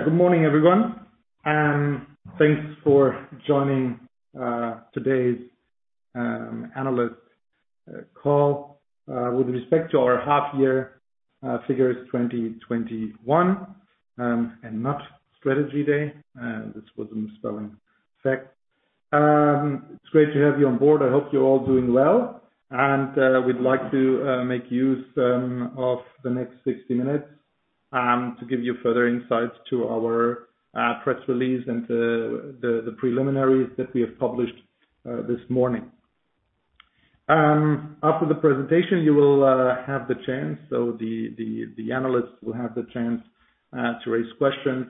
Good morning, everyone, and thanks for joining today's analyst call with respect to our half-year figures 2021, and not strategy day. This was a misspelling fact. It's great to have you on board. I hope you're all doing well. We'd like to make use of the next 60 minutes to give you further insights to our press release and the preliminaries that we have published this morning. After the presentation, the analysts will have the chance to raise questions,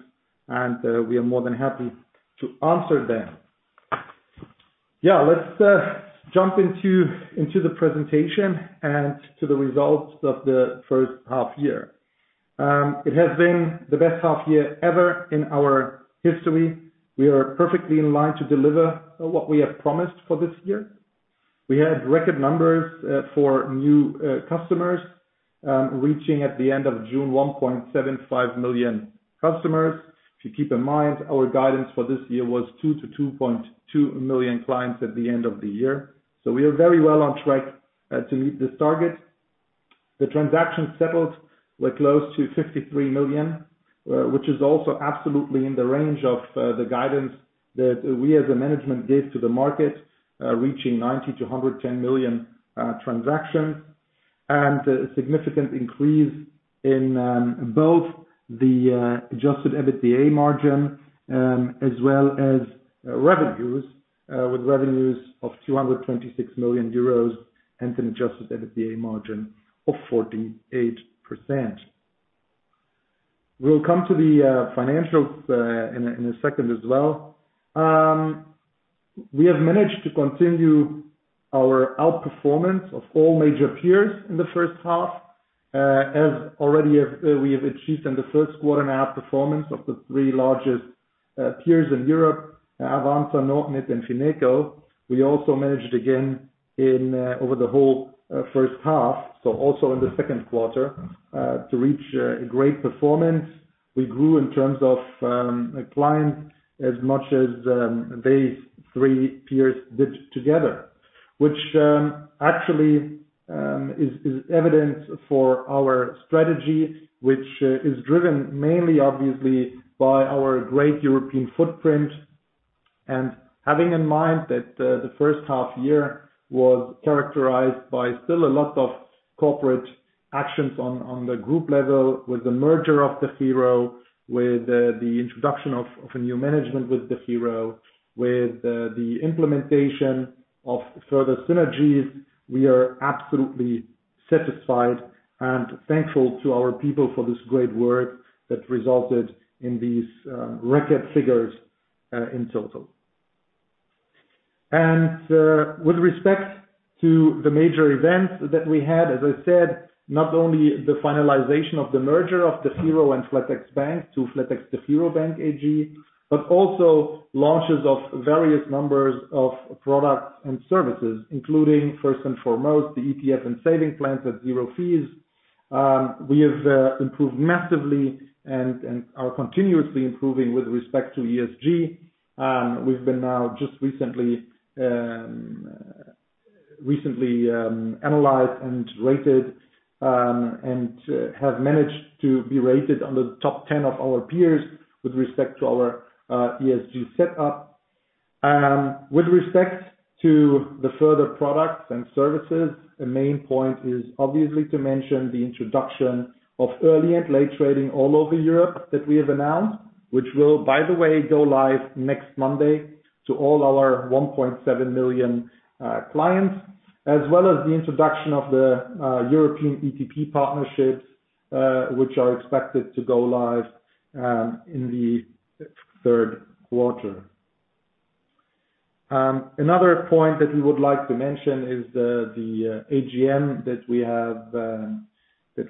and we are more than happy to answer them. Let's jump into the presentation and to the results of the first half-year. It has been the best half-year ever in our history. We are perfectly in line to deliver what we have promised for this year. We had record numbers for new customers, reaching at the end of June, 1.75 million customers. If you keep in mind, our guidance for this year was 2-2.2 million clients at the end of the year. We are very well on track to meet this target. The transactions settled were close to 63 million, which is also absolutely in the range of the guidance that we as a management gave to the market, reaching 90-110 million transactions. A significant increase in both the adjusted EBITDA margin, as well as revenues, with revenues of 226 million euros and an adjusted EBITDA margin of 48%. We'll come to the financials in a second as well. We have managed to continue our outperformance of all major peers in the first half. As already we have achieved in the first quarter and outperformance of the three largest peers in Europe, Avanza, Nordnet, and Fineco. We also managed again over the whole first half, so also in the second quarter, to reach a great performance. We grew in terms of clients as much as these three peers did together, which actually is evidence for our strategy, which is driven mainly obviously by our great European footprint. Having in mind that the first half year was characterized by still a lot of corporate actions on the group level with the merger of DEGIRO, with the introduction of a new management with DEGIRO, with the implementation of further synergies. We are absolutely satisfied and thankful to our people for this great work that resulted in these record figures in total. With respect to the major events that we had, as I said, not only the finalization of the merger of DEGIRO and flatex Bank to flatexDEGIRO Bank AG, but also launches of various numbers of products and services, including first and foremost the ETF and savings plans at zero fees. We have improved massively and are continuously improving with respect to ESG. We've been now just recently analyzed and rated and have managed to be rated under the top 10 of our peers with respect to our ESG setup. With respect to the further products and services, a main point is obviously to mention the introduction of early and late trading all over Europe that we have announced, which will, by the way, go live next Monday to all our 1.7 million clients, as well as the introduction of the European ETP partnerships, which are expected to go live in the third quarter. Another point that we would like to mention is the AGM that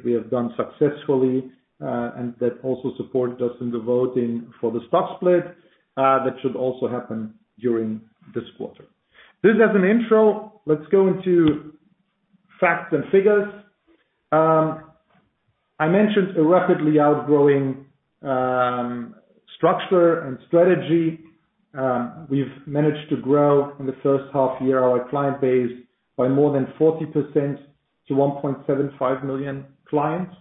we have done successfully, and that also supported us in the voting for the stock split, that should also happen during this quarter. This as an intro. Let's go into facts and figures. I mentioned a rapidly outgrowing structure and strategy. We've managed to grow in the first half year, our client base by more than 40% to 1.75 million clients.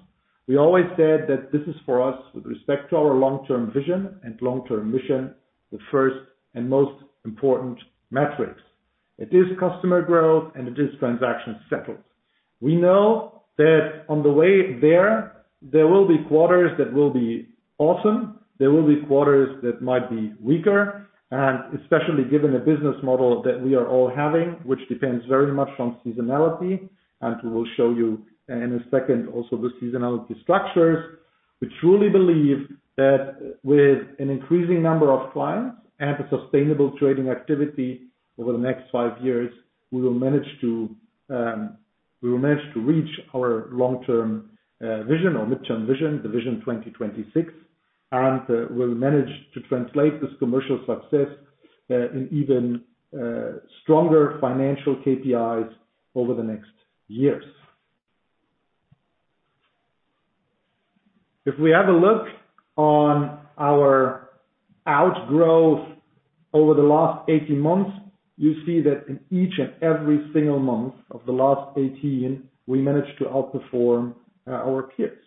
We always said that this is for us with respect to our long-term vision and long-term mission, the first and most important metrics. It is customer growth and it is transaction settled. We know that on the way there will be quarters that will be awesome, there will be quarters that might be weaker, and especially given the business model that we are all having, which depends very much on seasonality. We will show you in a second also the seasonality structures. We truly believe that with an increasing number of clients and a sustainable trading activity over the next five years, we will manage to reach our long-term vision or midterm vision, the Vision 2026. We'll manage to translate this commercial success in even stronger financial KPIs over the next years. If we have a look on our outgrowth over the last 18 months, you see that in each and every single month of the last 18, we managed to outperform our peers.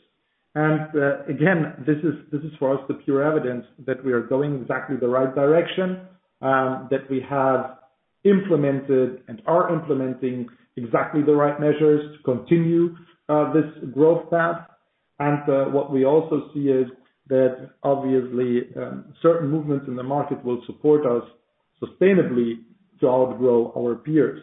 Again, this is for us the pure evidence that we are going exactly the right direction, that we have implemented and are implementing exactly the right measures to continue this growth path. What we also see is that obviously, certain movements in the market will support us sustainably to outgrow our peers.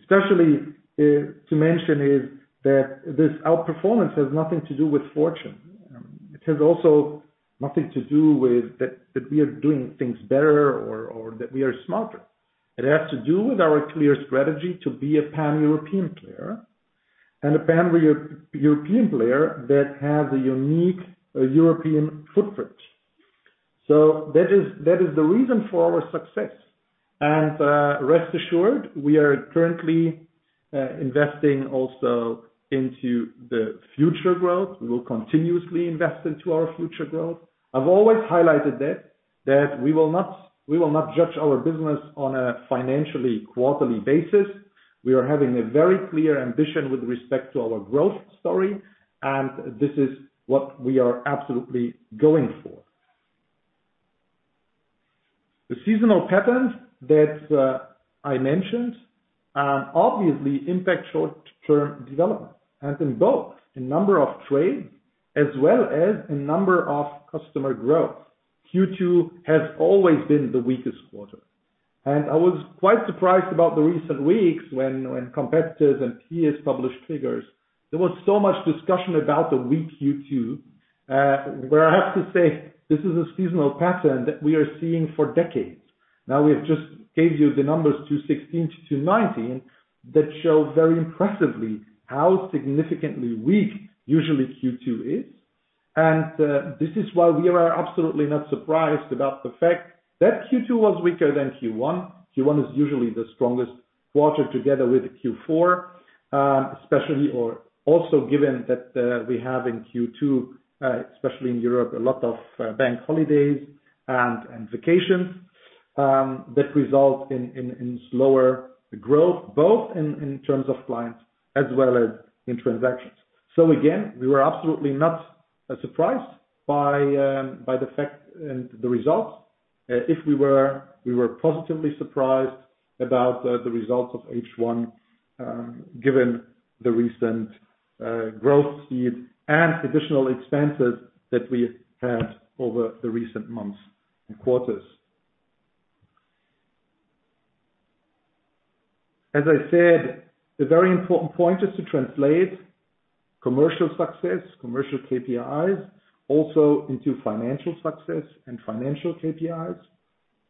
Especially to mention is that this outperformance has nothing to do with fortune. It has also nothing to do with that we are doing things better or that we are smarter. It has to do with our clear strategy to be a Pan-European player, and a Pan-European player that has a unique European footprint. That is the reason for our success. Rest assured, we are currently investing also into the future growth. We will continuously invest into our future growth. I've always highlighted that we will not judge our business on a financially quarterly basis. We are having a very clear ambition with respect to our growth story, and this is what we are absolutely going for. The seasonal patterns that I mentioned obviously impact short-term development, and in both the number of trades as well as in number of customer growth. Q2 has always been the weakest quarter. I was quite surprised about the recent weeks when competitors and peers published figures. There was so much discussion about the weak Q2, where I have to say, this is a seasonal pattern that we are seeing for decades. Now we have just gave you the numbers 2016 to 2019 that show very impressively how significantly weak usually Q2 is. This is why we are absolutely not surprised about the fact that Q2 was weaker than Q1. Q1 is usually the strongest quarter together with Q4, especially, or also given that we have in Q2, especially in Europe, a lot of bank holidays and vacations that result in slower growth, both in terms of clients as well as in transactions. Again, we were absolutely not surprised by the fact and the results. If we were, we were positively surprised about the results of H1, given the recent growth speed and additional expenses that we had over the recent months and quarters. As I said, the very important point is to translate commercial success, commercial KPIs, also into financial success and financial KPIs.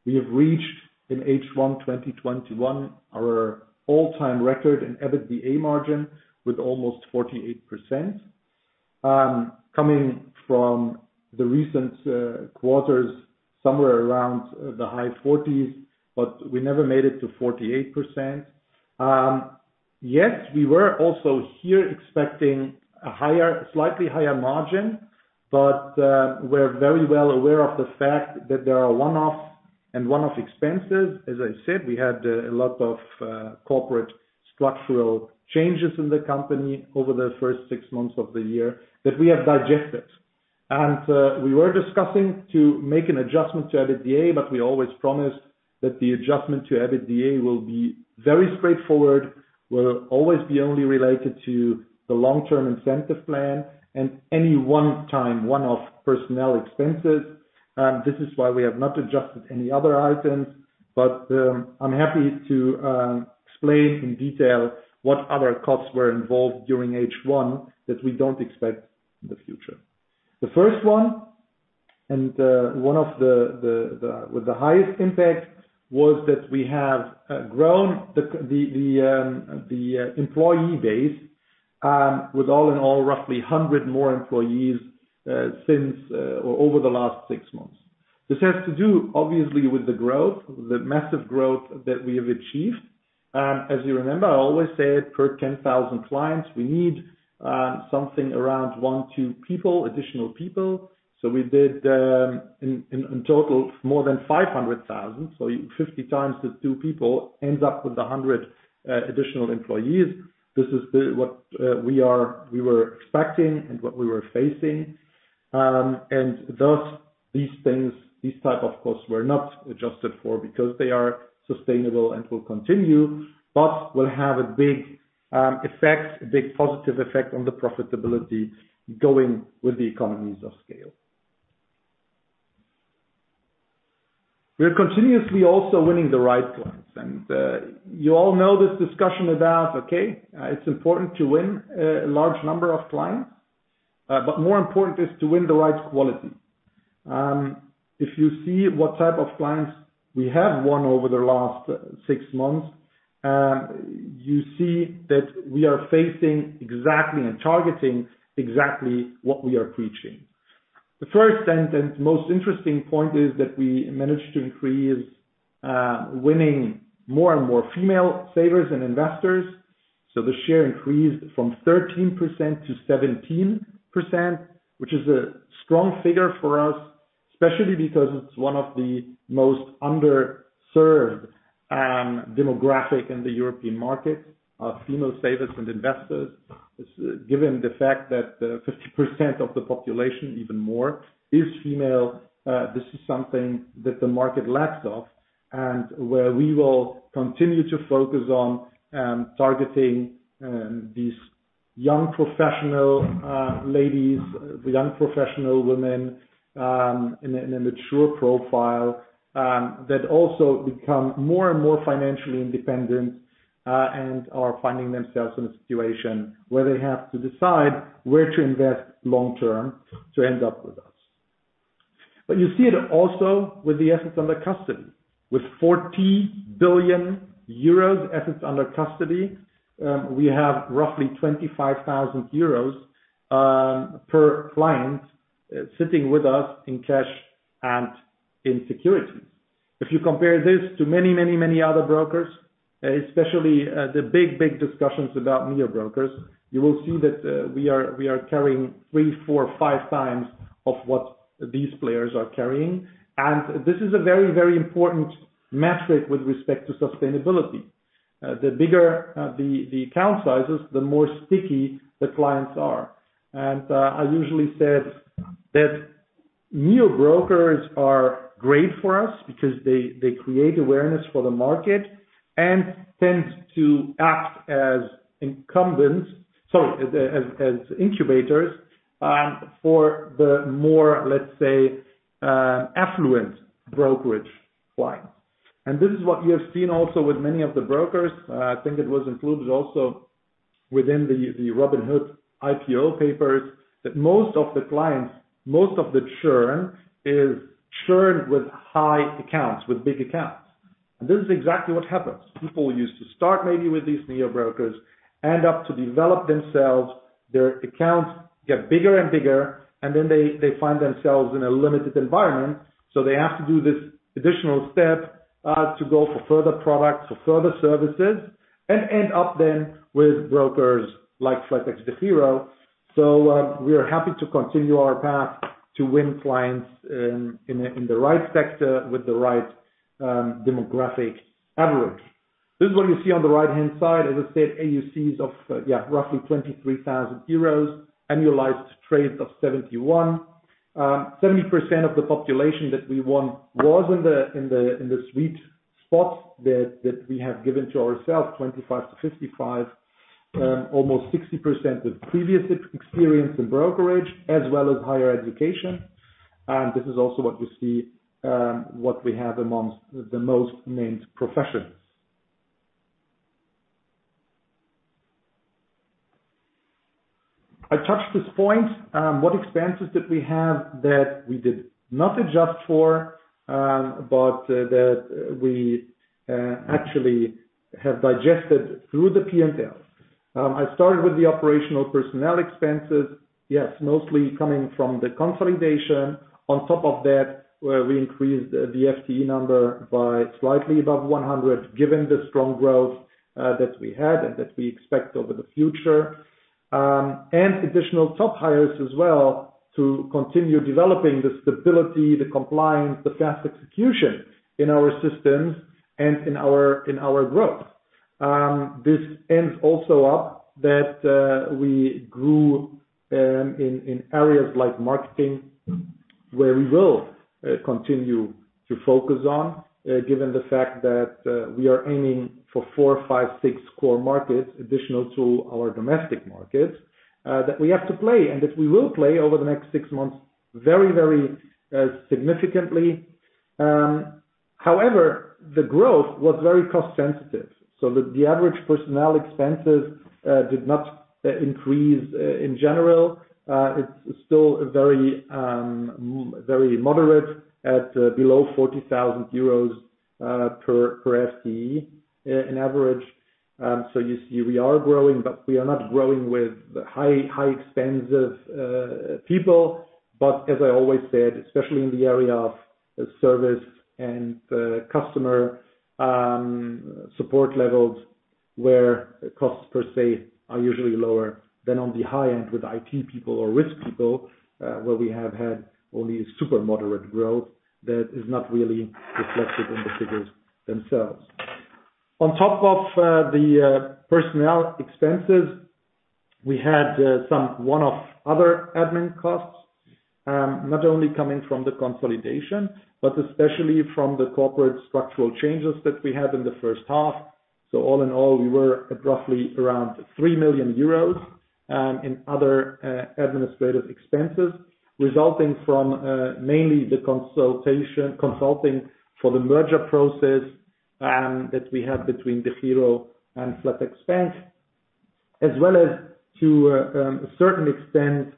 We have reached in H1 2021 our all-time record in EBITDA margin with almost 48%, coming from the recent quarters somewhere around the high 40s, but we never made it to 48%. Yes, we were also here expecting a slightly higher margin, but we're very well aware of the fact that there are one-offs and one-off expenses. As I said, we had a lot of corporate structural changes in the company over the first six months of the year that we have digested. We were discussing to make an adjustment to EBITDA, but we always promised that the adjustment to EBITDA will be very straightforward, will always be only related to the long-term incentive plan and any one time, one-off personnel expenses. This is why we have not adjusted any other items. I'm happy to explain in detail what other costs were involved during H1 that we don't expect in the future. The first one, and one of the highest impact, was that we have grown the employee base with all in all, roughly 100 more employees over the last six months. This has to do, obviously, with the growth, the massive growth that we have achieved. As you remember, I always say it, per 10,000 clients, we need something around one, two people, additional people. We did in total more than 500,000. 50x the two people ends up with 100 additional employees. This is what we were expecting and what we were facing. Thus, these things, these type of costs were not adjusted for because they are sustainable and will continue, but will have a big effect, a big positive effect on the profitability going with the economies of scale. We are continuously also winning the right clients. You all know this discussion about, okay, it's important to win a large number of clients. More important is to win the right quality. If you see what type of clients we have won over the last six months, you see that we are facing exactly and targeting exactly what we are preaching. The first and most interesting point is that we managed to increase winning more and more female savers and investors. The share increased from 13% to 17%, which is a strong figure for us, especially because it's one of the most underserved demographic in the European market, female savers and investors. Given the fact that 50% of the population, even more, is female, this is something that the market lacks of, and where we will continue to focus on targeting these young professional ladies, the young professional women in a mature profile, that also become more and more financially independent, and are finding themselves in a situation where they have to decide where to invest long-term to end up with us. You see it also with the assets under custody. With 40 billion euros assets under custody, we have roughly 25,000 euros per client sitting with us in cash and in securities. If you compare this to many other brokers, especially the big discussions about neo brokers, you will see that we are carrying 3x, 4x, 5x of what these players are carrying. This is a very important metric with respect to sustainability. The bigger the account sizes, the more sticky the clients are. I usually said that neo brokers are great for us because they create awareness for the market and tend to act as incumbents, sorry, as incubators for the more, let's say, affluent brokerage clients. This is what you have seen also with many of the brokers. I think it was included also within the Robinhood IPO papers that most of the clients, most of the churn is churned with high accounts, with big accounts. This is exactly what happens. People used to start maybe with these neo brokers, end up to develop themselves, their accounts get bigger and bigger, and then they find themselves in a limited environment, so they have to do this additional step, to go for further products, for further services, and end up then with brokers like flatexDEGIRO. We are happy to continue our path to win clients in the right sector with the right demographic average. This is what you see on the right-hand side. As I said, AUCs of roughly 23,000 euros, annualized trades of 71. 70% of the population that we won was in the sweet spot that we have given to ourselves, 25 to 55. Almost 60% with previous experience in brokerage as well as higher education. This is also what you see, what we have amongst the most named professions. I touched this point. What expenses did we have that we did not adjust for, but that we actually have digested through the P&L? I started with the operational personnel expenses. Yes, mostly coming from the consolidation. On top of that, where we increased the FTE number by slightly above 100, given the strong growth that we had and that we expect over the future. Additional top hires as well to continue developing the stability, the compliance, the fast execution in our systems and in our growth. This ends also up that we grew in areas like marketing, where we will continue to focus on, given the fact that we are aiming for four, five, six core markets additional to our domestic markets, that we have to play and that we will play over the next six months, very significantly. The growth was very cost sensitive, so the average personnel expenses did not increase. In general, it's still very moderate at below 40,000 euros per FTE on average. You see we are growing, but we are not growing with high expensive people. As I always said, especially in the area of service and customer support levels, where costs per se are usually lower than on the high end with IT people or risk people, where we have had only a super moderate growth that is not really reflected in the figures themselves. On top of the personnel expenses, we had some one-off other admin costs, not only coming from the consolidation, but especially from the corporate structural changes that we had in the first half. All in all, we were at roughly around 3 million euros in other administrative expenses resulting from mainly the consulting for the merger process that we had between DEGIRO and flatex Bank. As well as to a certain extent,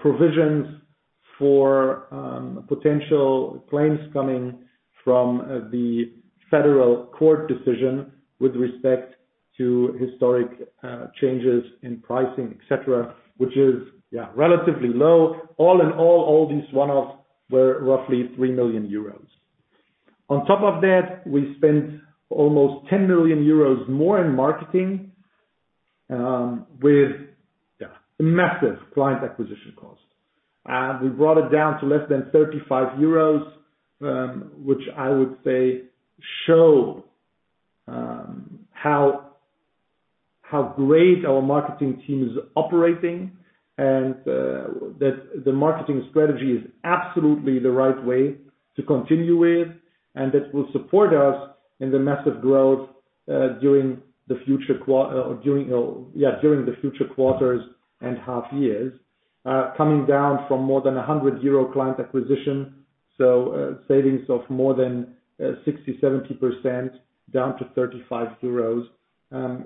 provisions for potential claims coming from the federal court decision with respect to historic changes in pricing, et cetera, which is relatively low. All in all these one-offs were roughly 3 million euros. On top of that, we spent almost 10 million euros more in marketing with massive client acquisition cost. We brought it down to less than 35 euros, which I would say show how great our marketing team is operating and that the marketing strategy is absolutely the right way to continue with, and that will support us in the massive growth during the future quarters and half years. Coming down from more than 100 euro client acquisition, so savings of more than 60%-70% down to 35 euros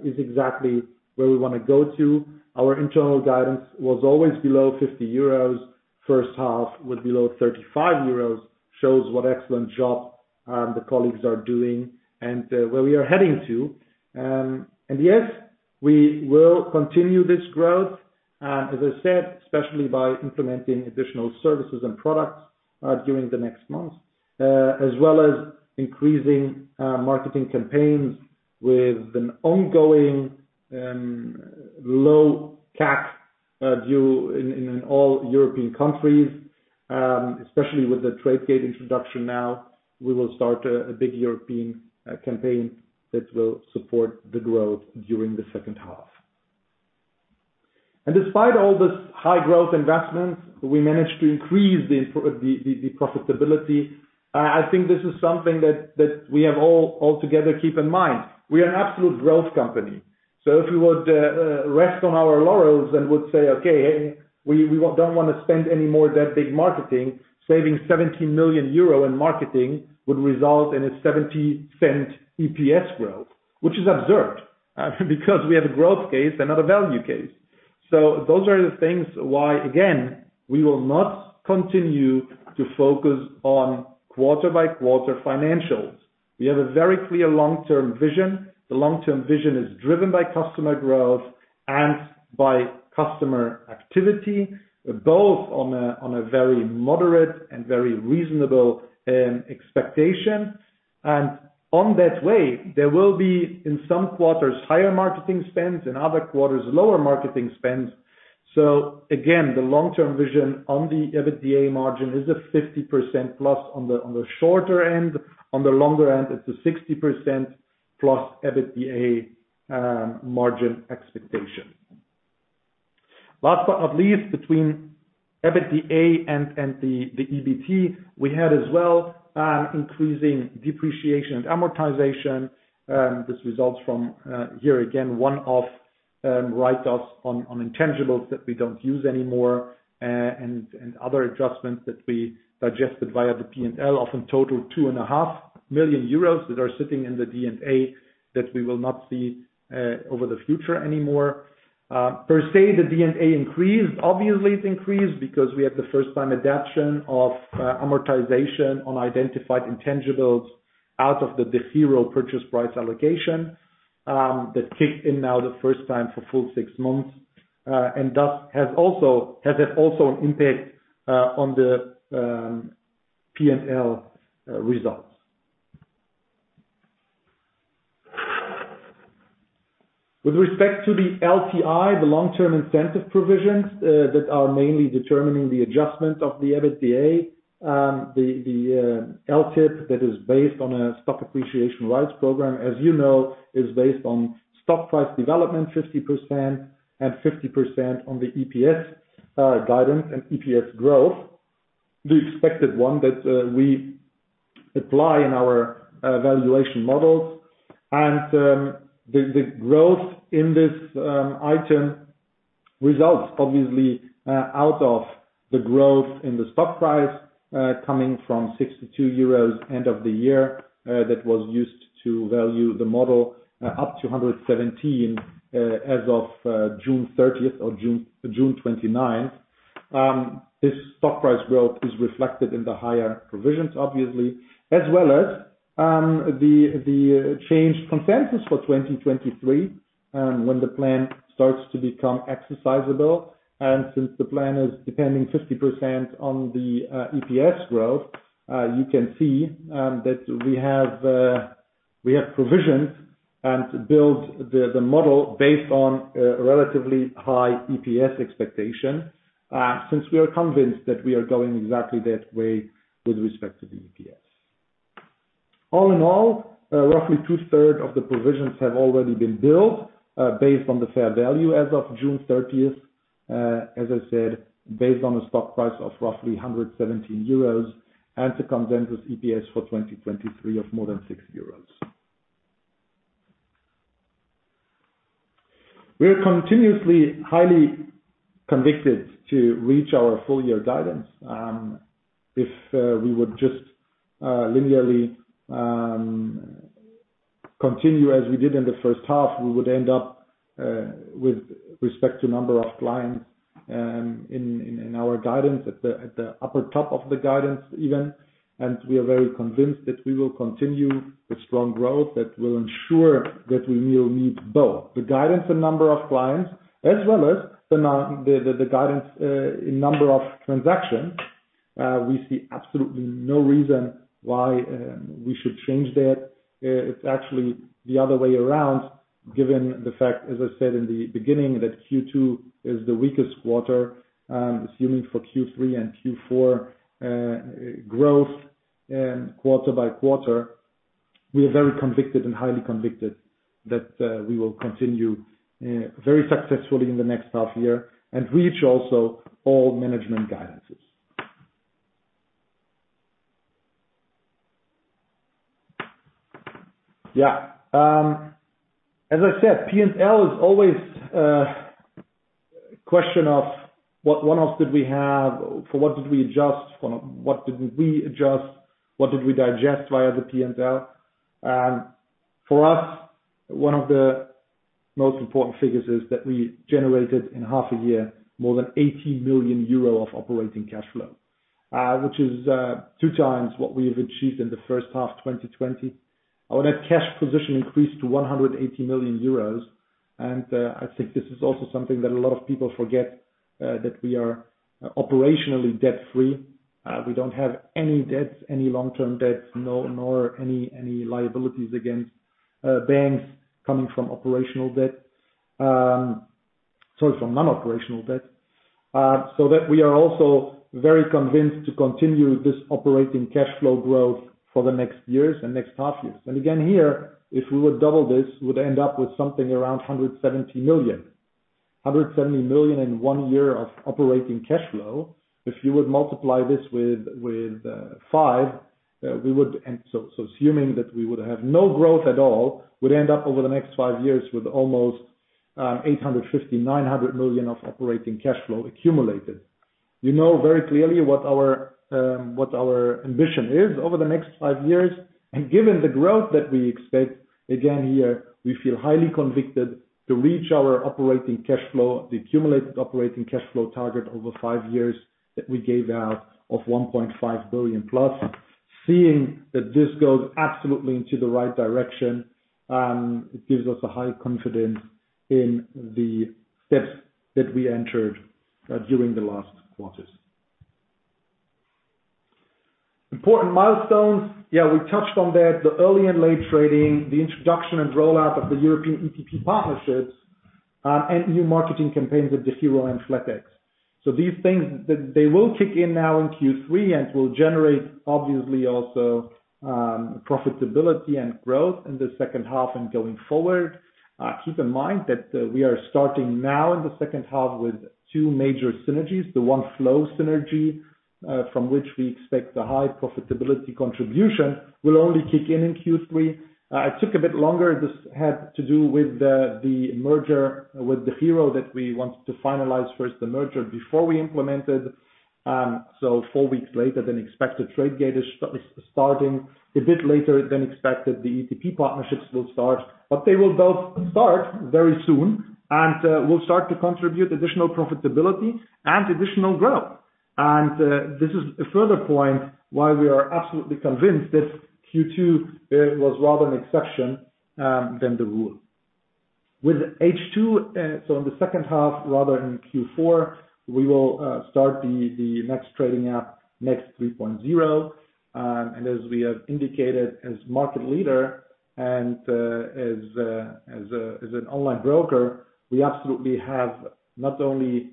is exactly where we want to go to. Our internal guidance was always below 50 euros. First half with below 35 euros shows what excellent job the colleagues are doing and where we are heading to. Yes, we will continue this growth, as I said, especially by implementing additional services and products during the next months, as well as increasing marketing campaigns with an ongoing low CAC view in all European countries, especially with the Tradegate introduction now. We will start a big European campaign that will support the growth during the second half. Despite all this high growth investments, we managed to increase the profitability. I think this is something that we have all altogether keep in mind. We are an absolute growth company. If we would rest on our laurels and would say, "Okay, hey, we don't want to spend any more of that big marketing," saving 17 million euro in marketing would result in a 0.70 EPS growth, which is absurd, because we have a growth case and not a value case. Those are the things why, again, we will not continue to focus on quarter-by-quarter financials. We have a very clear long-term vision. The long-term vision is driven by customer growth and by customer activity, both on a very moderate and very reasonable expectation. On that way, there will be, in some quarters, higher marketing spends, in other quarters, lower marketing spends. Again, the long-term vision on the EBITDA margin is a 50% plus on the shorter end. On the longer end, it's a 60% plus EBITDA margin expectation. Last but not least, between EBITDA and the EBT, we had as well increasing depreciation and amortization. This results from, here again, one-off write-offs on intangibles that we don't use anymore and other adjustments that we adjusted via the P&L of in total 2.5 million euros that are sitting in the D&A that we will not see over the future anymore. Per se, the D&A increased. Obviously, it increased because we had the first time adaption of amortization on identified intangibles out of the flatexDEGIRO Purchase Price Allocation. That kicked in now the first time for full six months, and thus has had also an impact on the P&L results. With respect to the LTI, the long-term incentive provisions that are mainly determining the adjustment of the EBITDA. The LTIP that is based on a stock appreciation rights program, as you know, is based on stock price development 50% and 50% on the EPS guidance and EPS growth, the expected one that we apply in our valuation models. The growth in this item results obviously out of the growth in the stock price, coming from 62 euros end of the year, that was used to value the model up to 117 as of June 30th or June 29th. This stock price growth is reflected in the higher provisions, obviously, as well as the changed consensus for 2023 when the plan starts to become exercisable. Since the plan is depending 50% on the EPS growth, you can see that we have provisions and build the model based on a relatively high EPS expectation, since we are convinced that we are going exactly that way with respect to the EPS. All in all, roughly two-third of the provisions have already been built based on the fair value as of June 30th, as I said, based on a stock price of roughly 117 euros and the consensus EPS for 2023 of more than 6 euros. We are continuously highly convicted to reach our full year guidance. If we would just linearly continue as we did in the 1st half, we would end up with respect to number of clients in our guidance at the upper top of the guidance even, and we are very convinced that we will continue the strong growth that will ensure that we will meet both the guidance and number of clients as well as the guidance in number of transactions. We see absolutely no reason why we should change that. It's actually the other way around, given the fact, as I said in the beginning, that Q2 is the weakest quarter, assuming for Q3 and Q4 growth quarter by quarter. We are very convicted and highly convicted that we will continue very successfully in the next half year and reach also all management guidances. As I said, P&L is always a question of what one-offs did we have? For what did we adjust? What didn't we adjust? What did we digest via the P&L? For us, one of the most important figures is that we generated in half a year more than 80 million euro of operating cash flow, which is 2x what we have achieved in the first half 2020. Our net cash position increased to 180 million euros. I think this is also something that a lot of people forget, that we are operationally debt-free. We don't have any debts, any long-term debts, nor any liabilities against banks coming from operational debt. Sorry, from non-operational debt. That we are also very convinced to continue this operating cash flow growth for the next years and next half years. Again, here, if we would double this, we'd end up with something around 170 million. 170 million in one year of operating cash flow. If you would multiply this with five, so assuming that we would have no growth at all, would end up over the next five years with almost 850 million, 900 million of operating cash flow accumulated. You know very clearly what our ambition is over the next five years, and given the growth that we expect, again, here, we feel highly convicted to reach our accumulated operating cash flow target over five years that we gave out of 1.5 billion plus. Seeing that this goes absolutely into the right direction, it gives us a high confidence in the steps that we entered during the last quarters. Important milestones. We touched on that. The early and late trading, the introduction and rollout of the European ETP partnerships, and new marketing campaigns with DEGIRO and flatex. These things, they will kick in now in Q3 and will generate, obviously, also profitability and growth in the second half and going forward. Keep in mind that we are starting now in the second half with two major synergies. The order flow synergy, from which we expect a high profitability contribution, will only kick in in Q3. It took a bit longer. This had to do with the merger with DEGIRO that we wanted to finalize first the merger before we implemented. Four weeks later than expected, Tradegate is starting. A bit later than expected, the ETP partnerships will start. They will both start very soon and will start to contribute additional profitability and additional growth. This is a further point why we are absolutely convinced that Q2 was rather an exception than the rule. With H2, so in the second half, rather in Q4, we will start the next trading app, flatexNext 3.0. As we have indicated as market leader and as an online broker, we absolutely have not only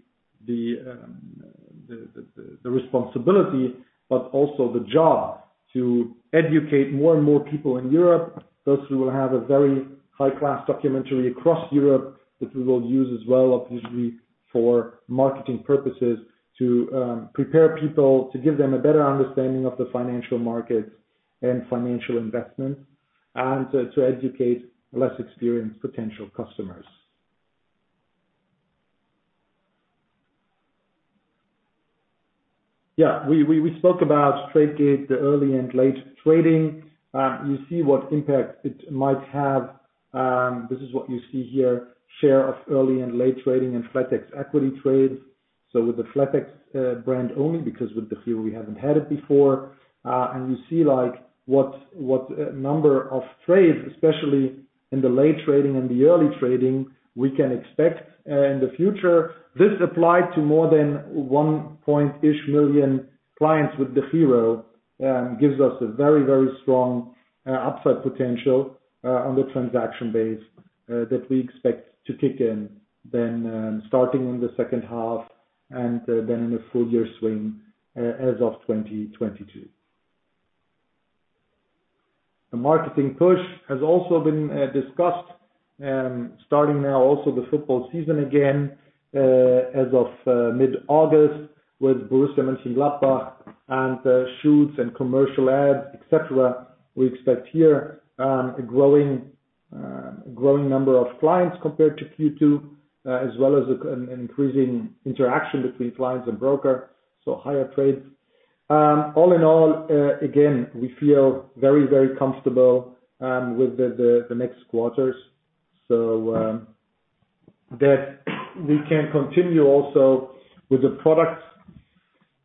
the responsibility but also the job to educate more and more people in Europe. Thus, we will have a very high-class documentary across Europe that we will use as well, obviously, for marketing purposes to prepare people, to give them a better understanding of the financial markets and financial investment, and to educate less experienced potential customers. We spoke about Tradegate, the early and late trading. You see what impact it might have. This is what you see here, share of early and late trading and flatex equity trades. With the flatex brand only, because with the DEGIRO we haven't had it before. You see what number of trades, especially in the late trading and early trading, we can expect in the future. This applied to more than 1 point-ish million clients with DEGIRO, gives us a very strong upside potential on the transaction base that we expect to kick in then starting in the second half and then in a full year swing as of 2022. The marketing push has also been discussed. Starting now also the football season again, as of mid-August with Borussia Mönchengladbach and shoots and commercial ads, et cetera. We expect here a growing number of clients compared to Q2, as well as an increasing interaction between clients and broker, so higher trades. All in all, again, we feel very, very comfortable with the next quarters, so that we can continue also with the product.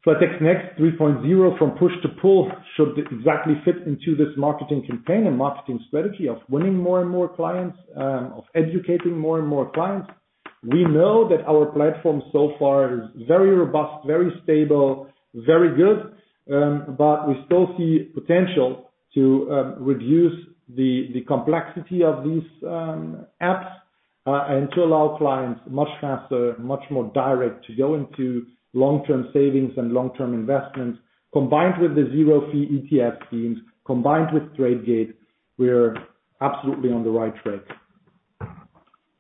FlatexNext 3.0 from push to pull should exactly fit into this marketing campaign and marketing strategy of winning more and clients, of educating more and more clients. We know that our platform so far is very robust, very stable, very good. We still see potential to reduce the complexity of these apps, and to allow clients much faster, much more direct to go into long-term savings and long-term investments. Combined with the zero fee ETF schemes, combined with Tradegate, we're absolutely on the right track.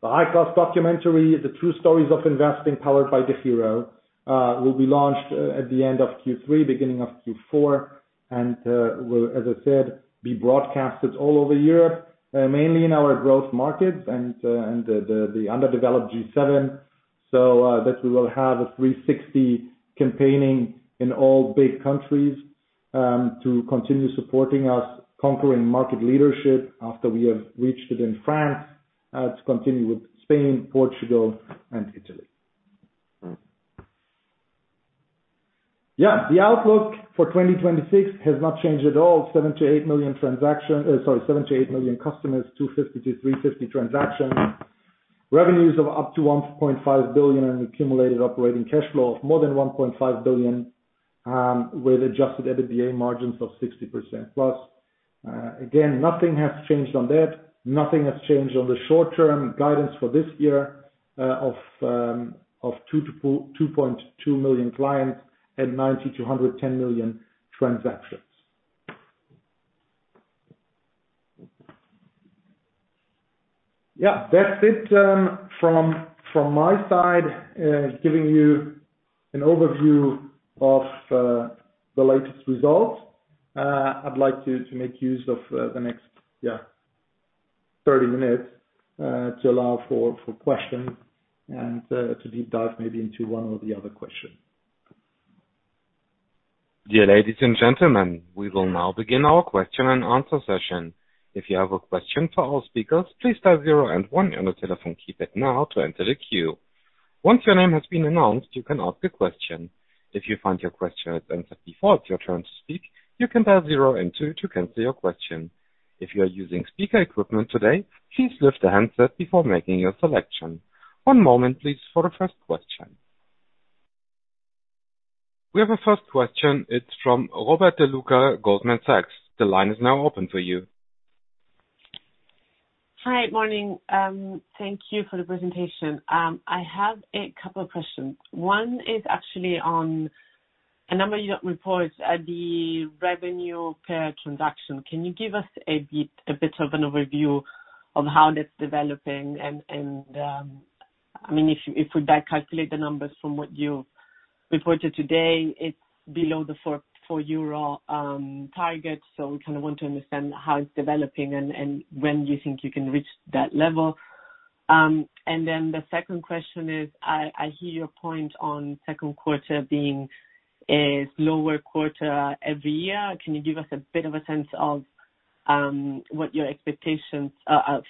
The High Class documentary, the true stories of investing powered by DEGIRO, will be launched at the end of Q3, beginning of Q4. Will, as I said, be broadcasted all over Europe, mainly in our growth markets and the underdeveloped G7. That we will have a 360 campaigning in all big countries, to continue supporting us conquering market leadership after we have reached it in France, to continue with Spain, Portugal, and Italy. The outlook for 2026 has not changed at all. 7 to 8 million customers, 250 to 350 million transactions. Revenues of up to 1.5 billion and accumulated operating cash flow of more than 1.5 billion, with adjusted EBITDA margins of 60%+. Again, nothing has changed on that. Nothing has changed on the short-term guidance for this year, of 2 to 2.2 million clients at 90 to 110 million transactions. That's it from my side, giving you an overview of the latest results. I'd like to make use of the next 30 minutes to allow for questions and to deep dive maybe into one or the other question. Dear ladies and gentlemen, we will now begin our question and answer session. If you have a question for our speaker, please press zero and one on your telephone keypad now to enter the queue. Once your name has been announced, you can ask a question. If you find your question has been answered before it's your turn to speak, you can dial zero and two to cancel your question. If you are using speaker equipment today, please lift the handset before making your connection. One moment, please, for our first question. We have a first question. It's from Roberta Luca, Goldman Sachs. The line is now open for you. Hi. Morning. Thank you for the presentation. I have a couple of questions. One is actually on a number you don't report, the revenue per transaction. Can you give us a bit of an overview of how that's developing? If we back calculate the numbers from what you've reported today, it's below the 4 target. We kind of want to understand how it's developing and when you think you can reach that level. The second question is, I hear your point on second quarter being a slower quarter every year. Can you give us a bit of a sense of what your expectations.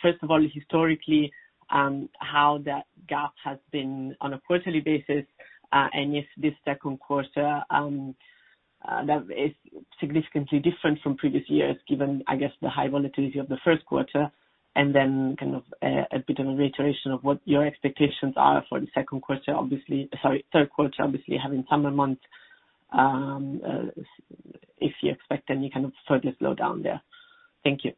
First of all, historically, how that gap has been on a quarterly basis, and if this second quarter, that is significantly different from previous years, given, I guess, the high volatility of the first quarter. kind of a bit of a reiteration of what your expectations are for the second quarter, Sorry, third quarter, obviously having summer months, if you expect any kind of further slowdown there. Thank you.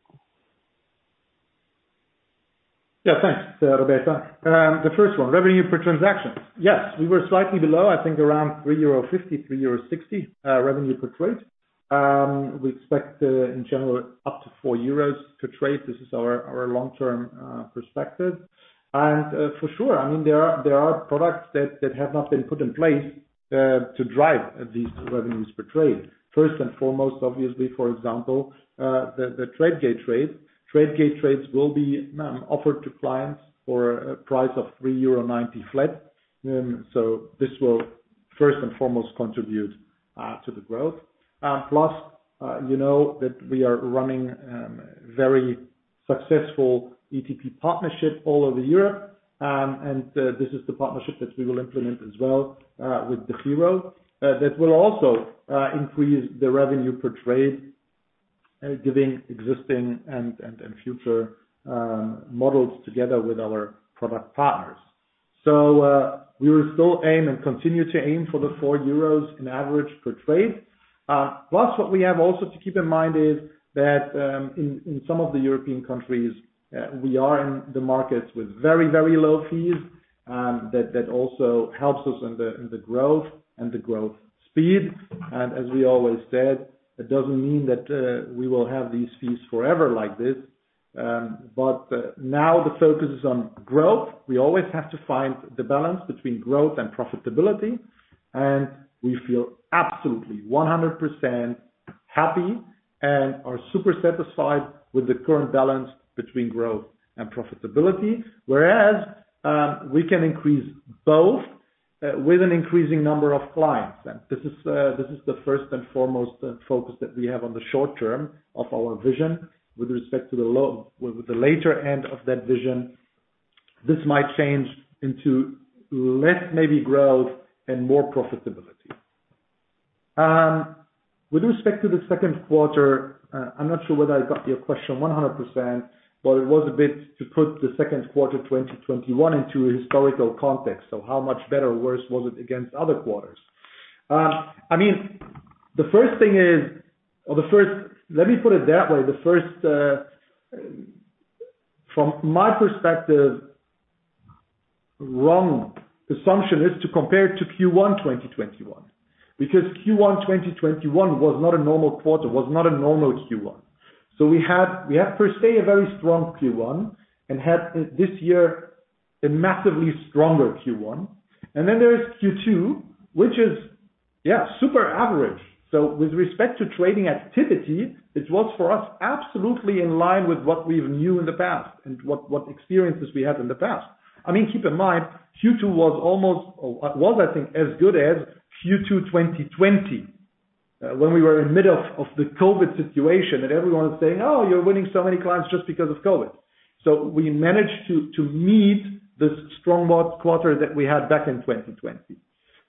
Thanks, Roberta. The first one, revenue per transaction. Yes. We were slightly below, I think around 3.50 euro, 3.60 euro revenue per trade. We expect in general up to 4 euros to trade. This is our long-term perspective. For sure, there are products that have not been put in place to drive these revenues per trade. First and foremost, obviously, for example, the Tradegate trades. Tradegate trades will be offered to clients for a price of 3.90 euro flat. This will first and foremost contribute to the growth. Plus, you know that we are running very successful ETP partnership all over Europe. This is the partnership that we will implement as well, with the DEGIRO, that will also increase the revenue per trade, giving existing and future models together with our product partners. We will still aim and continue to aim for the 4 euros in average per trade. Plus what we have also to keep in mind is that, in some of the European countries, we are in the markets with very, very low fees that also helps us in the growth and the growth speed. As we always said, it doesn't mean that we will have these fees forever like this. Now the focus is on growth. We always have to find the balance between growth and profitability, and we feel absolutely 100% happy and are super satisfied with the current balance between growth and profitability. Whereas we can increase both with an increasing number of clients. This is the first and foremost focus that we have on the short term of our Vision. With respect to the later end of that Vision, this might change into less, maybe growth and more profitability. With respect to the second quarter, I'm not sure whether I got your question 100%, but it was a bit to put the second quarter 2021 into a historical context. How much better or worse was it against other quarters? The first, let me put it that way. From my perspective, wrong assumption is to compare it to Q1 2021, because Q1 2021 was not a normal quarter, was not a normal Q1. We had per se, a very strong Q1 and had this year a massively stronger Q1. Then there is Q2, which is super average. With respect to trading activity, it was for us, absolutely in line with what we knew in the past and what experiences we had in the past. Keep in mind, Q2 was, I think as good as Q2 2020, when we were in middle of the COVID situation and everyone is saying, "Oh, you're winning so many clients just because of COVID." We managed to meet this strong quarter that we had back in 2020.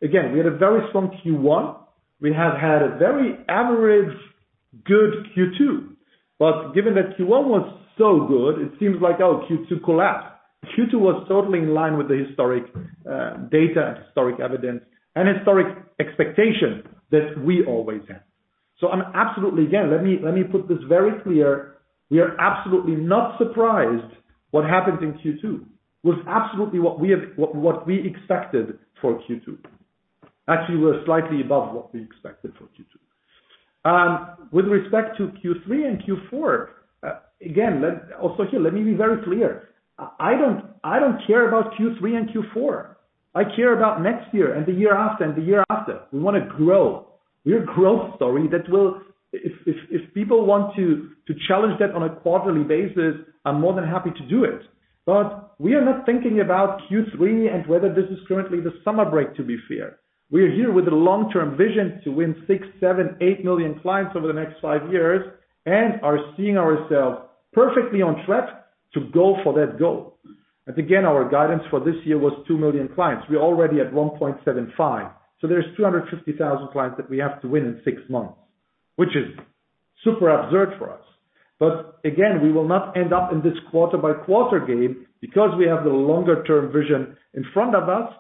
Again, we had a very strong Q1. We have had a very average good Q2. Given that Q1 was so good, it seems like, oh, Q2 collapsed. Q2 was totally in line with the historic data and historic evidence and historic expectation that we always have. I'm absolutely, again, let me put this very clear. We are absolutely not surprised what happened in Q2. It was absolutely what we expected for Q2. Actually, we're slightly above what we expected for Q2. With respect to Q3 and Q4, again, also here, let me be very clear. I don't care about Q3 and Q4. I care about next year and the year after and the year after. We want to grow. We're a growth story that will. If people want to challenge that on a quarterly basis, I'm more than happy to do it. We are not thinking about Q3 and whether this is currently the summer break, to be fair. We are here with a long-term vision to win 6, 7, 8 million clients over the next five years and are seeing ourselves perfectly on track to go for that goal. Again, our guidance for this year was 2 million clients. We're already at 1.75, so there's 250,000 clients that we have to win in six months, which is super absurd for us. Again, we will not end up in this quarter by quarter game because we have the longer term vision in front of us.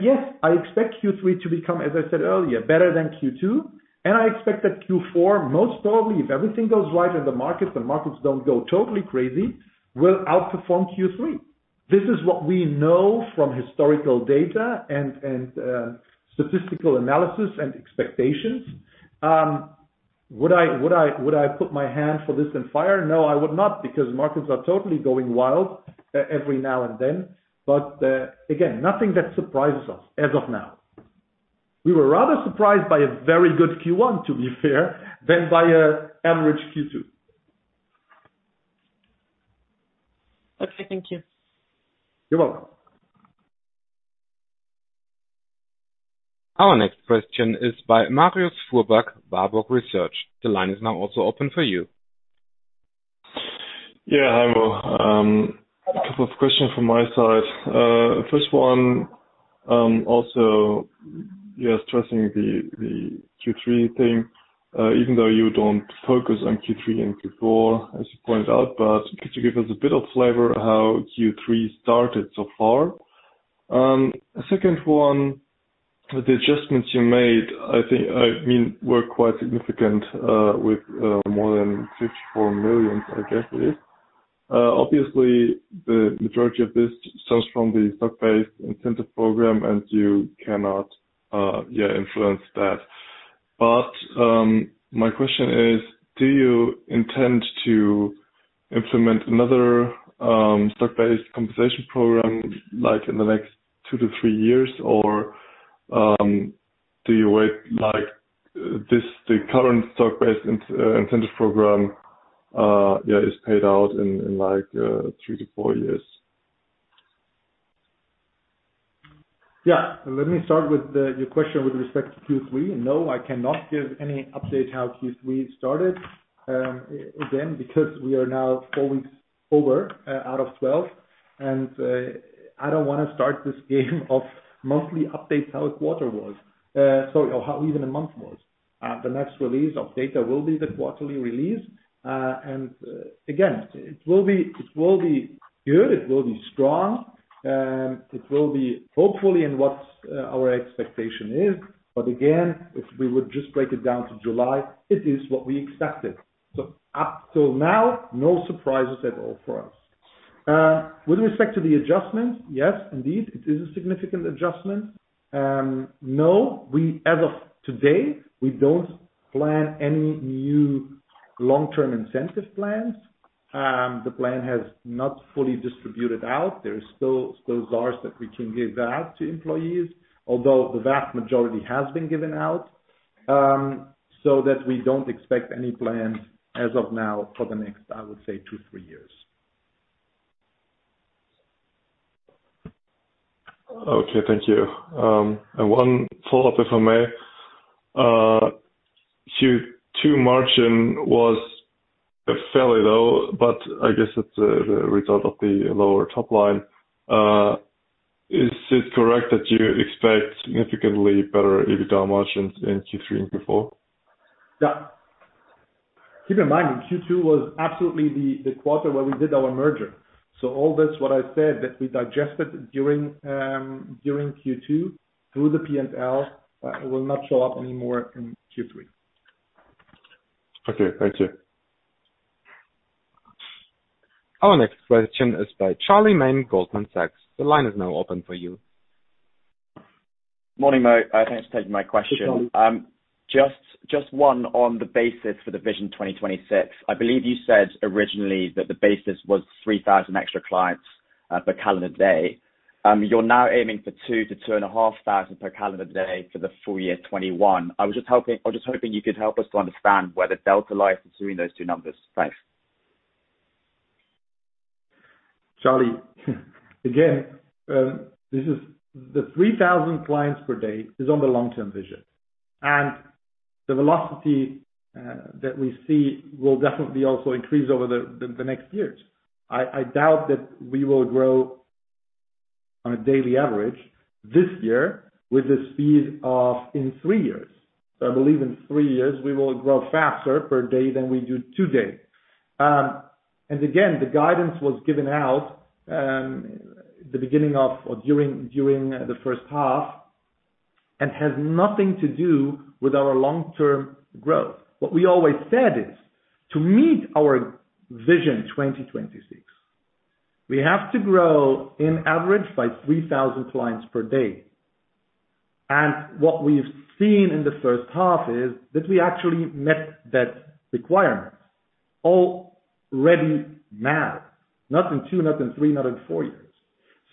Yes, I expect Q3 to become, as I said earlier, better than Q2, and I expect that Q4, most probably, if everything goes right in the markets and markets don't go totally crazy, will outperform Q3. This is what we know from historical data and statistical analysis and expectations. Would I put my hand for this on fire? No, I would not because markets are totally going wild every now and then. Again, nothing that surprises us as of now. We were rather surprised by a very good Q1, to be fair, than by an average Q2. Okay. Thank you. You're welcome. Our next question is by Marius Fuhrberg, Warburg Research. The line is now also open for you. Hi, Mo. A couple of questions from my side. First one, also you're stressing the Q3 thing, even though you don't focus on Q3 and Q4, as you pointed out, but could you give us a bit of flavor how Q3 started so far? Second one, the adjustments you made, I think were quite significant, with more than 54 million, I guess it is. Obviously, the majority of this comes from the stock-based incentive program, and you cannot influence that. My question is, do you intend to implement another stock-based compensation program in the next two to three years? Or, do you wait, the current stock-based incentive program is paid out in three to four years? Let me start with your question with respect to Q3. I cannot give any update how Q3 started, again, because we are now four weeks out of 12, and I don't want to start this game of monthly updates how a quarter was, sorry, or how even a month was. The next release of data will be the quarterly release. Again, it will be good, it will be strong. It will be hopefully in what our expectation is. Again, if we would just break it down to July, it is what we expected. Up till now, no surprises at all for us. With respect to the adjustments, yes, indeed, it is a significant adjustment. No, as of today, we don't plan any new long-term incentive plans. The plan has not fully distributed out. There are still shares that we can give out to employees, although the vast majority has been given out, so that we don't expect any plans as of now for the next, I would say two, three years. Okay, thank you. One follow-up, if I may. Q2 margin was fairly low, but I guess it's the result of the lower top line. Is it correct that you expect significantly better EBITDA margins in Q3 and Q4? Keep in mind that Q2 was absolutely the quarter where we did our merger. All this, what I said, that we digested during Q2 through the P&L will not show up anymore in Q3. Okay, thank you. Our next question is by Charlie Mayne, Goldman Sachs. The line is now open for you. Morning, Mo. Thanks for taking my question. Hi, Charlie. Just one on the basis for the Vision 2026. I believe you said originally that the basis was 3,000 extra clients per calendar day. You're now aiming for 2,000-2,500 per calendar day for the full year 2021. I was just hoping you could help us to understand where the delta lies between those two numbers. Thanks. Charlie again, the 3,000 clients per day is on the long-term vision. The velocity that we see will definitely also increase over the next years. I doubt that we will grow on a daily average this year with the speed of in three years. I believe in three years, we will grow faster per day than we do today. Again, the guidance was given out the beginning of or during the first half and has nothing to do with our long-term growth. What we always said is to meet our Vision 2026, we have to grow on average by 3,000 clients per day. What we've seen in the first half is that we actually met that requirement already now, not in two, not in three, not in four years.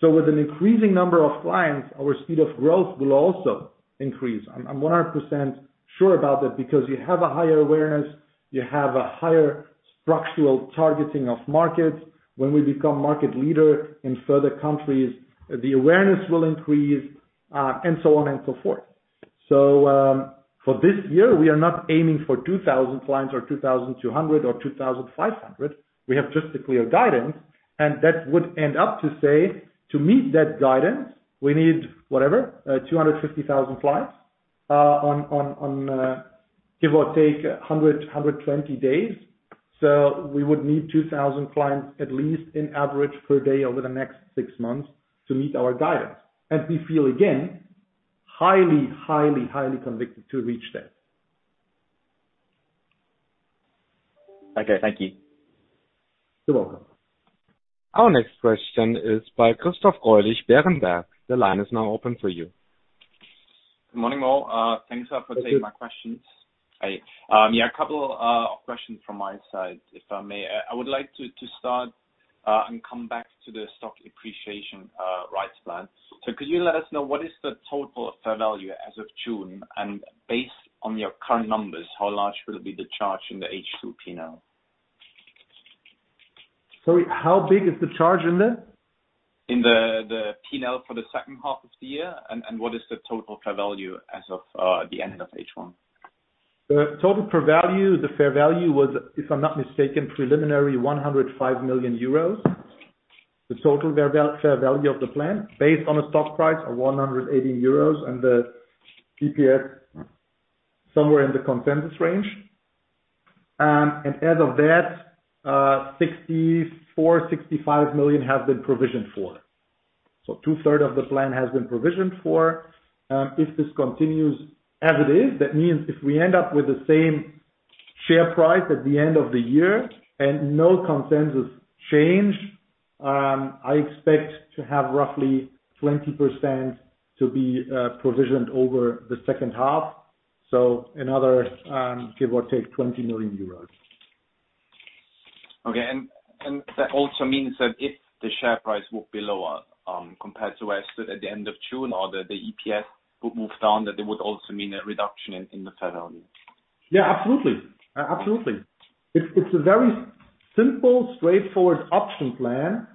With an increasing number of clients, our speed of growth will also increase. I'm 100% sure about that because you have a higher awareness, you have a higher structural targeting of markets. When we become market leader in further countries, the awareness will increase, and so on and so forth. For this year, we are not aiming for 2,000 clients or 2,200 or 2,500. We have just the clear guidance, and that would end up to say, to meet that guidance, we need, whatever, 250,000 clients on give or take 100, 120 days. We would need 2,000 clients at least on average per day over the next six months to meet our guidance. We feel, again, highly, highly convicted to reach that. Okay, thank you. You're welcome. Our next question is by Christoph Greulich, Berenberg. The line is now open for you. Good morning, Mo. Good day. Thanks a lot for taking my questions. A couple of questions from my side, if I may. I would like to start and come back to the stock appreciation rights plan. Could you let us know: what is the total fair value as of June? Based on your current numbers, how large will be the charge in the H2 P&L? Sorry, how big is the charge in the? In the P&L for the second half of the year, and what is the total fair value as of the end of H1? The total fair value was, if I am not mistaken, preliminary 105 million euros. The total fair value of the plan, based on a stock price of 180 euros and the EPS somewhere in the consensus range. As of that, 64 million-65 million have been provisioned for. Two-third of the plan has been provisioned for. If this continues as it is, that means if we end up with the same share price at the end of the year and no consensus change, I expect to have roughly 20% to be provisioned over the second half. Another give or take 20 million euros. Okay. That also means that if the share price will be lower compared to as at the end of June, or the EPS would move down, that it would also mean a reduction in the fair value. Yeah, absolutely. It's a very simple, straightforward option plan,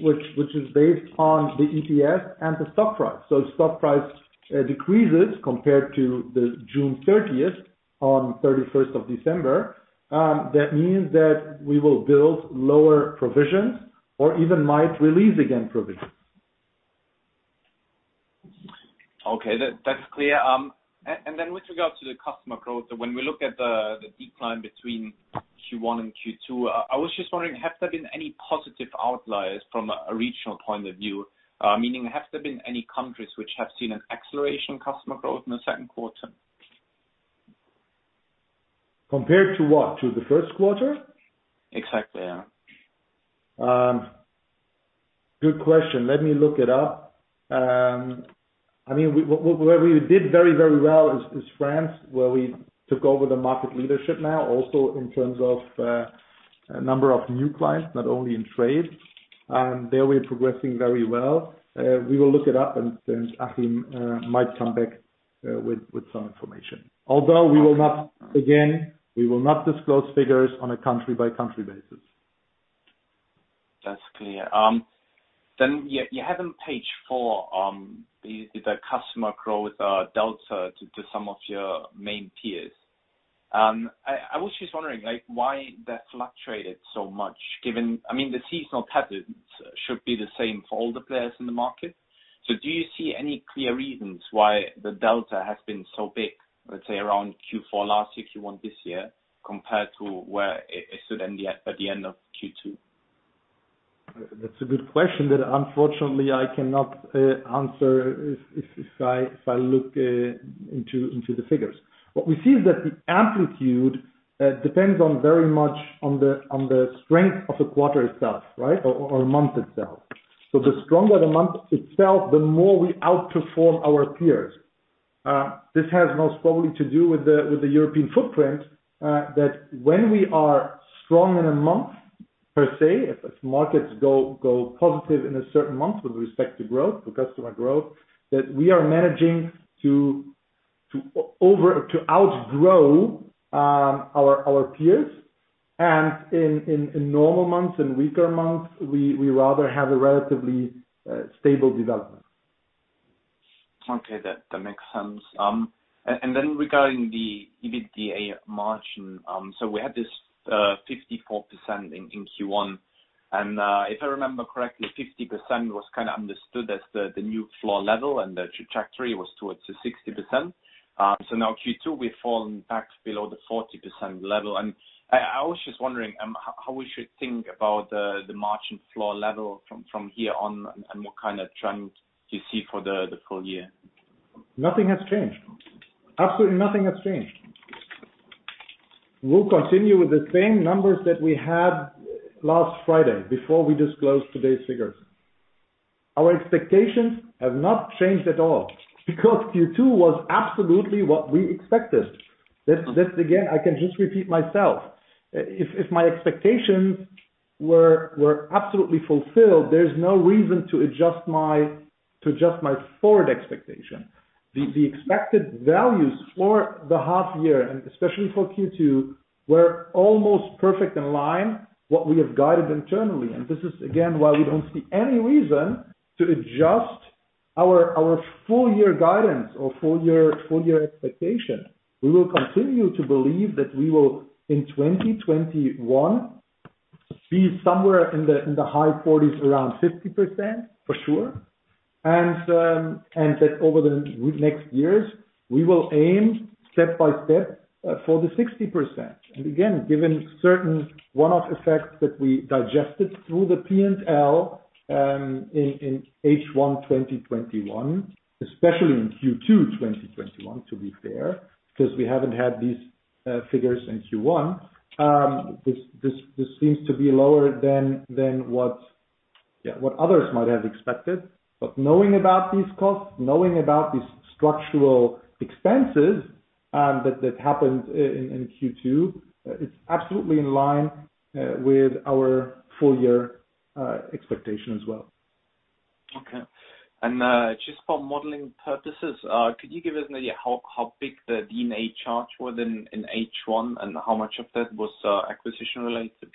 which is based on the EPS and the stock price. If stock price decreases compared to the June 30th on 31st of December, that means that we will build lower provisions or even might release again provisions. Okay. That's clear. With regard to the customer growth, when we look at the decline between Q1 and Q2, I was just wondering, have there been any positive outliers from a regional point of view? Meaning, have there been any countries which have seen an acceleration customer growth in the second quarter? Compared to what? To the first quarter? Exactly, yeah. Good question. Let me look it up. Where we did very well is France, where we took over the market leadership now also in terms of number of new clients, not only in trade. There we are progressing very well. We will look it up and Achim might come back with some information. Although again, we will not disclose figures on a country-by-country basis. That's clear. You have on page four, the customer growth delta to some of your main peers. I was just wondering why that fluctuated so much the seasonal patterns should be the same for all the players in the market. Do you see any clear reasons why the delta has been so big, let's say around Q4 last year, Q1 this year, compared to where it stood at the end of Q2? That's a good question that unfortunately I cannot answer if I look into the figures. What we see is that the amplitude depends on very much on the strength of the quarter itself, right? Or month itself. The stronger the month itself, the more we outperform our peers. This has most probably to do with the European footprint, that when we are strong in a month, per se, if markets go positive in a certain month with respect to growth, to customer growth, that we are managing to outgrow our peers. In normal months and weaker months, we rather have a relatively stable development. That makes sense. Regarding the EBITDA margin. We had this 54% in Q1, and if I remember correctly, 50% was kind of understood as the new floor level, and the trajectory was towards the 60%. Now Q2, we've fallen back below the 40% level. I was just wondering, how we should think about the margin floor level from here on, and what kind of trend do you see for the full year? Nothing has changed. Absolutely nothing has changed. We'll continue with the same numbers that we had last Friday before we disclosed today's figures. Our expectations have not changed at all because Q2 was absolutely what we expected. That again, I can just repeat myself. If my expectations were absolutely fulfilled, there's no reason to adjust my forward expectation. The expected values for the half year, and especially for Q2, were almost perfect in line what we have guided internally. This is again, why we don't see any reason to adjust our full-year guidance or full year expectation. We will continue to believe that we will, in 2021, be somewhere in the high 40s around 50%, for sure. That over the next years, we will aim step by step for the 60%. Again, given certain one-off effects that we digested through the P&L, in H1 2021, especially in Q2 2021, to be fair, because we haven't had these figures in Q1. This seems to be lower than what others might have expected. But knowing about these costs, knowing about these structural expenses that happened in Q2, it's absolutely in line with our full year expectation as well. Okay. Just for modeling purposes, could you give us an idea how big the D&A charge was in H1 and how much of that was acquisition-related?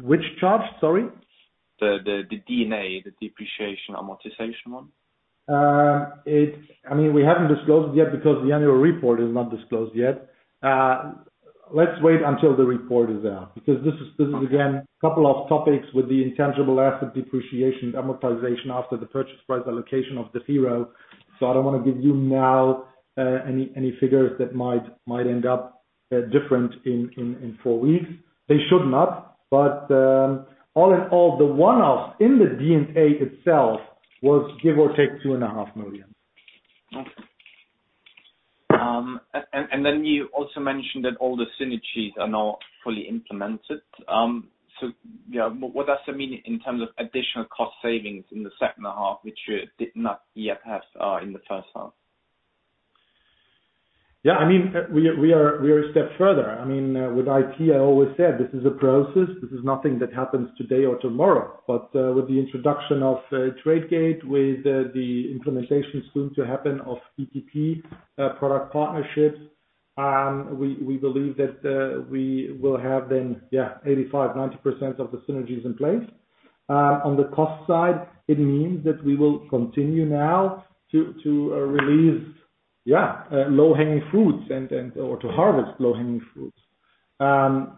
Which charge? Sorry. The D&A, the depreciation amortization one. We haven't disclosed it yet because the annual report is not disclosed yet. Let's wait until the report is out, because this is again, couple of topics with the intangible asset depreciation and amortization after the Purchase Price Allocation of the DEGIRO. I don't want to give you now any figures that might end up different in four weeks. They should not. But all in all, the one-off in the D&A itself was give or take 2.5 million. Okay. You also mentioned that all the synergies are now fully implemented. What does that mean in terms of additional cost savings in the second half, which you did not yet have in the first half? We are a step further. With IT, I always said this is a process. This is nothing that happens today or tomorrow. With the introduction of Tradegate, with the implementation soon to happen of ETP, product partnerships, we believe that we will have then 85%-90% of the synergies in place. On the cost side, it means that we will continue now to release low-hanging fruits or to harvest low-hanging fruits.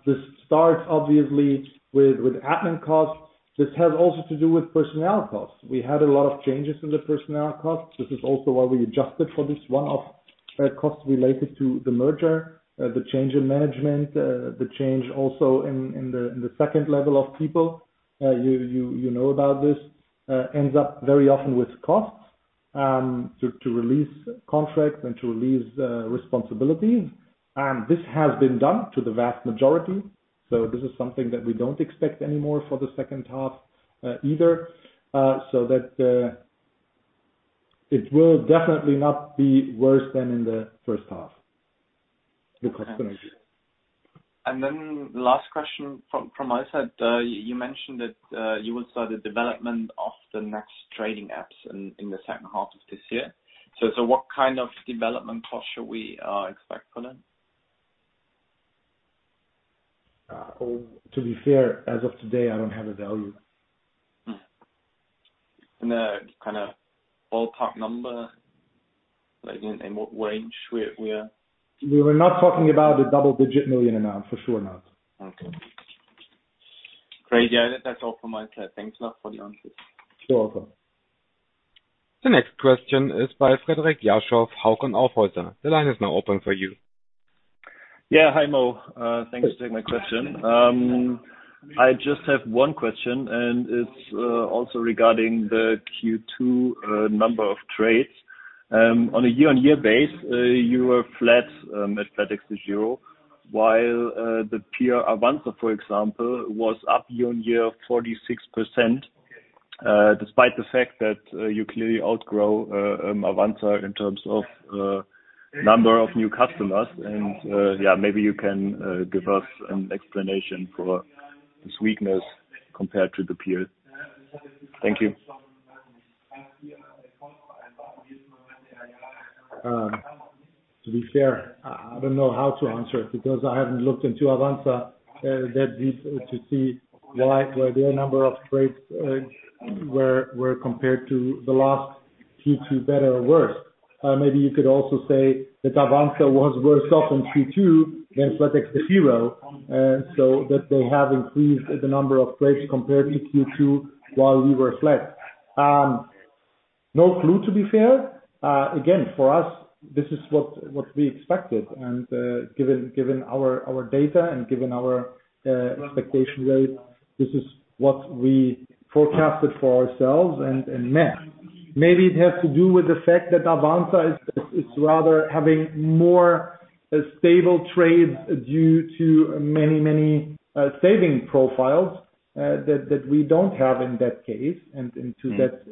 This starts obviously with admin costs. This has also to do with personnel costs. We had a lot of changes in the personnel costs. This is also why we adjusted for this one-off cost related to the merger, the change in management, the change also in the second level of people. You know about this. Ends up very often with costs. To release contracts and to release responsibility. This has been done to the vast majority. This is something that we don't expect anymore for the second half either. That it will definitely not be worse than in the first half. The customer. Last question from my side. You mentioned that you will start the development of the next trading apps in the second half of this year. What kind of development cost should we expect for them? To be fair, as of today, I don't have a value. A kind of ballpark number, like in what range we are? We were not talking about a double-digit million amount, for sure not. Okay. Great. Yeah, that's all from my side. Thanks a lot for the answers. You're welcome. The next question is by Frederik Jarchow, Hauck & Aufhäuser. The line is now open for you. Hi, Mo. Thanks for taking my question. I just have one question, and it's also regarding the Q2 number of trades. On a year-on-year basis, you were flat, made flatexDEGIRO, while the peer, Avanza, for example, was up year-on-year 46%, despite the fact that you clearly outgrow Avanza in terms of number of new customers. Maybe you can give us an explanation for this weakness compared to the peers. Thank you. To be fair, I don't know how to answer it because I haven't looked into Avanza that deep to see why their number of trades were compared to the last Q2 better or worse. Maybe you could also say that Avanza was worse off in Q2 than flatexDEGIRO, and so that they have increased the number of trades compared to Q2 while we were flat. No clue to be fair. Again, for us, this is what we expected. Given our data and given our expectation rate, this is what we forecasted for ourselves and met. Maybe it has to do with the fact that Avanza is rather having more stable trades due to many savings profiles that we don't have in that case and to that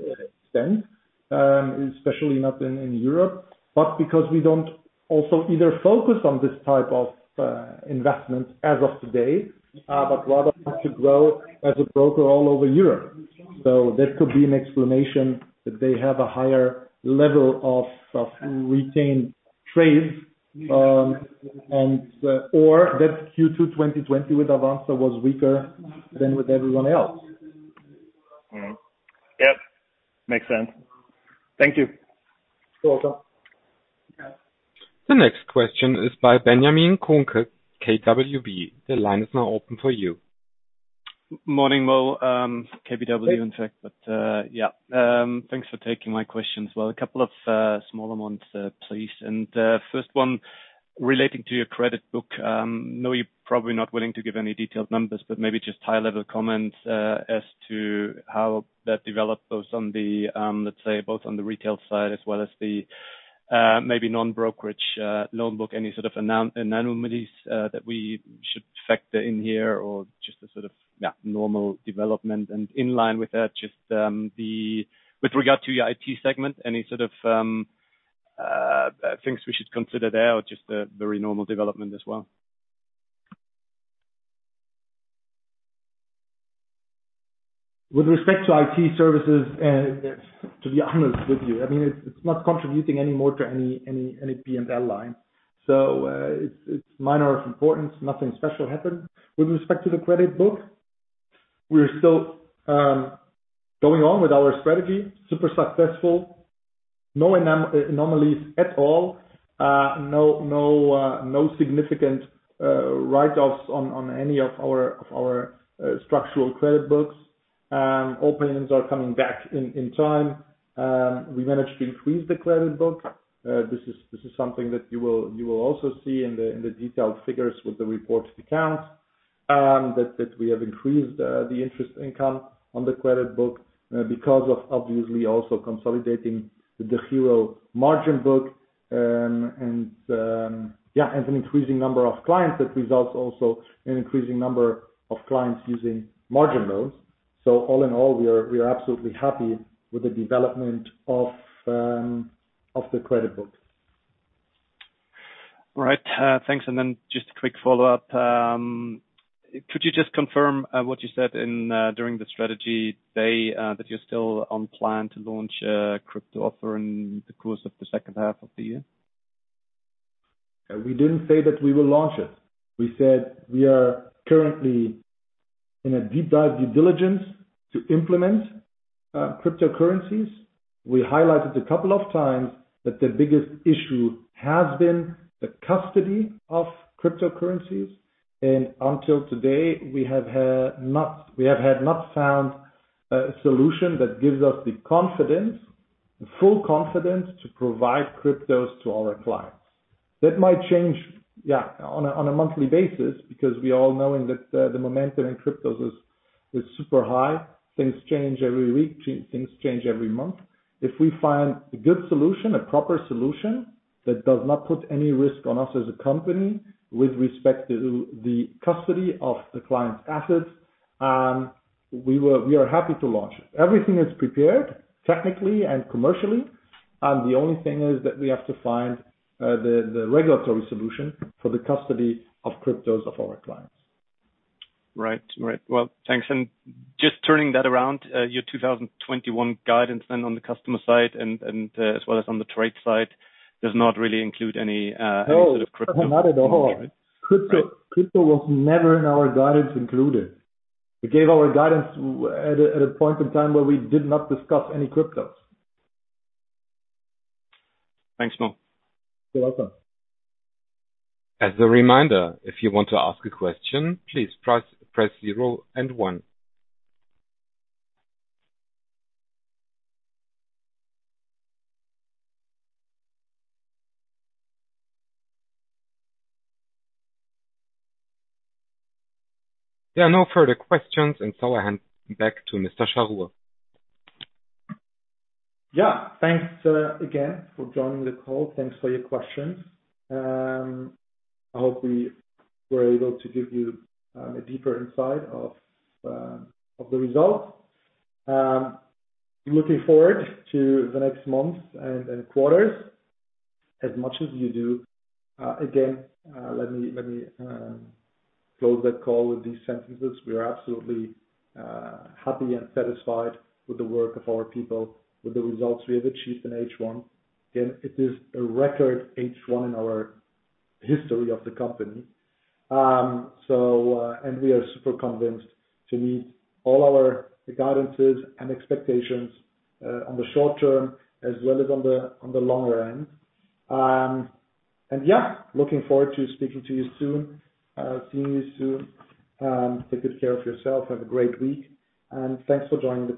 extent, especially not in Europe, but because we don't also either focus on this type of investment as of today, but rather want to grow as a broker all over Europe. That could be an explanation that they have a higher level of retained trades, or that Q2 2020 with Avanza was weaker than with everyone else. Mm-hmm. Yep. Makes sense. Thank you. You're welcome. The next question is by Benjamin Kohnke, KBW. The line is now open for you. Morning, Mo. KBW, in fact. Yeah. Thanks for taking my questions. Well, a couple of small amounts, please. First one, relating to your credit book. Know you're probably not willing to give any detailed numbers, but maybe just high-level comments as to how that developed, let's say, both on the retail side as well as the maybe non-brokerage loan book. Any sort of anomalies that we should factor in here or just a sort of normal development? In line with that, just with regard to your IT segment, any sort of things we should consider there or just a very normal development as well? With respect to IT services, to be honest with you, it's not contributing any more to any P&L line. It's minor importance. Nothing special happened. With respect to the credit book, we're still going on with our strategy, super successful. No anomalies at all. No significant write-offs on any of our structural credit books. Openings are coming back in time. We managed to increase the credit book. This is something that you will also see in the detailed figures with the reported accounts, that we have increased the interest income on the credit book because of obviously also consolidating the DEGIRO margin book. Yeah, as an increasing number of clients, that results also in increasing number of clients using margin loans. All in all, we are absolutely happy with the development of the credit book. All right. Thanks. Just a quick follow-up. Could you just confirm what you said during the strategy day that you're still on plan to launch a crypto offer in the course of the second half of the year? We didn't say that we will launch it. We said we are currently in a deep dive due diligence to implement cryptocurrencies. We highlighted a couple of times that the biggest issue has been the custody of cryptocurrencies. Until today, we have had not found a solution that gives us the confidence, the full confidence to provide cryptos to our clients. That might change on a monthly basis, because we all know that the momentum in cryptos is super high. Things change every week, things change every month. If we find a good solution, a proper solution that does not put any risk on us as a company with respect to the custody of the client's assets, we are happy to launch it. Everything is prepared technically and commercially. The only thing is that we have to find the regulatory solution for the custody of cryptos of our clients. Right. Well, thanks. Just turning that around, your 2021 guidance then on the customer side and as well as on the trade side does not really include. No sort of crypto. Not at all. Crypto was never in our guidance included. We gave our guidance at a point in time where we did not discuss any cryptos. Thanks, Mo. You're welcome. As a reminder, if you want to ask a question, please press zero and one. There are no further questions. I hand back to Mr. Chahrour. Yeah. Thanks again for joining the call. Thanks for your questions. I hope we were able to give you a deeper insight of the results. Looking forward to the next months and quarters as much as you do. Again, let me close that call with these sentences. We are absolutely happy and satisfied with the work of our people, with the results we have achieved in H1. Again, it is a record H1 in our history of the company. We are super convinced to meet all our guidances and expectations on the short term as well as on the longer end. Yeah, looking forward to speaking to you soon, seeing you soon. Take good care of yourself, have a great week, and thanks for joining the call.